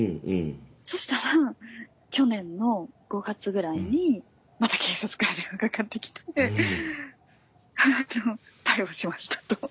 そしたら去年の５月ぐらいにまた警察から電話かかってきて逮捕しましたと。